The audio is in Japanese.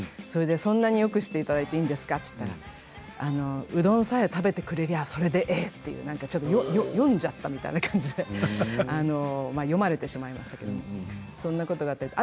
それでそんなによくしていただいていいんですか？って言ったらうどんさえ食べてくれりゃそれでええっていう読んじゃったみたいな感じで読まれてしまいましたけどもそんなことがあって。